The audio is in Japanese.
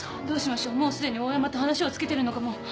どうしましょうもうすでにオーヤマと話をつけてるのかも。